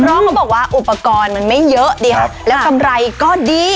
เพราะเขาบอกว่าอุปกรณ์มันไม่เยอะดีครับแล้วกำไรก็ดี